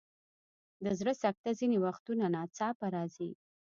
د زړه سکته ځینې وختونه ناڅاپه راځي.